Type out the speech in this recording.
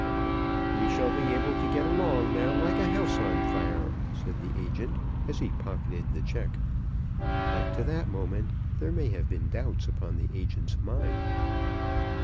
"We shall get along now like a house on fire," said the agent, as he pocketed the cheque. Up to that moment there may have been doubts upon the agent's mind.